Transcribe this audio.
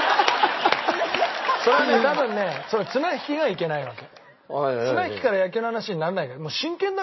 それはね多分ね綱引きがいけないわけ。